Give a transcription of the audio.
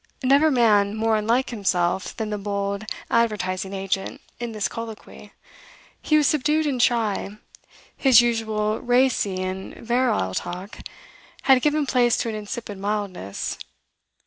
Never man more unlike himself than the bold advertising agent in this colloquy. He was subdued and shy; his usual racy and virile talk had given place to an insipid mildness.